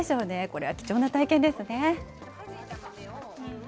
これは貴重な体験ですね。